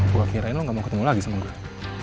gue kirain lo gak mau ketemu lagi sama gue